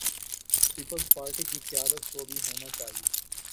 Peoples Party کی قیادت کو بھی ہونا چاہیے۔